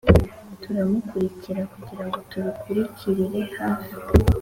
Turamukurikira kugira ngo tubikurikirire hafi